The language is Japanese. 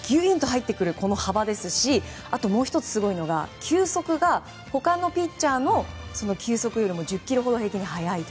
入ってくる幅ですしあともう１つすごいのが球速が他のピッチャーの球速よりも平均で１０キロほど速い。